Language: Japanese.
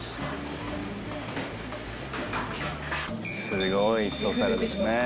すごい一皿ですね。